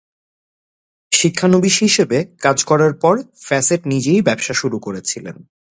শিক্ষানবিস হিসেবে কাজ করার পর, ফ্যাসেট নিজেই ব্যাবসা শুরু করেছিলেন।